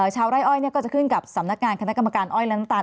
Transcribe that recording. ชาวไร่อ้อยก็จะขึ้นกับสำนักงานคณะกรรมการอ้อยและน้ำตาล